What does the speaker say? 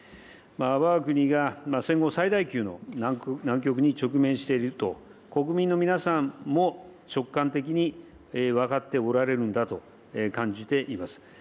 わが国が戦後最大級の難局に直面していると、国民の皆さんも直感的に分かっておられるんだと感じています。